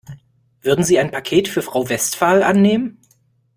Würden Sie ein Paket für Frau Westphal annehmen?